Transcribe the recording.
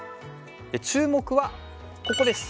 注目はここです。